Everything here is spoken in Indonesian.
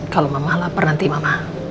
kalau mama lapar nanti mama